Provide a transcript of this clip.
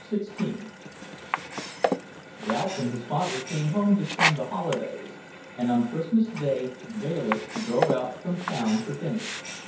XVI Ralph and his father came home to spend the holidays, and on Christmas day Bayliss drove out from town for dinner.